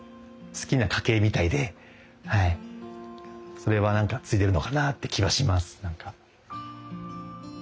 それはなんか継いでるのかなって気はしますなんか。